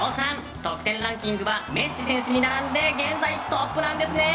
得点ランキングはメッシ選手に並んで現在トップなんですね。